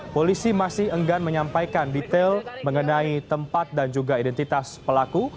polisi masih enggan menyampaikan detail mengenai tempat dan juga identitas pelaku